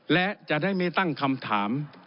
และจะได้ไม่ตั้งคำถาม